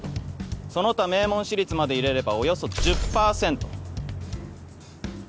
その他名門私立まで入れればおよそ１０％。